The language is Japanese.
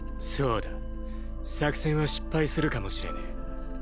そうだ作戦は失敗するかもしれねぇ。